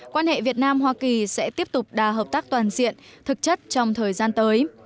quan hệ việt nam hoa kỳ sẽ tiếp tục đa hợp tác toàn diện thực chất trong thời gian tới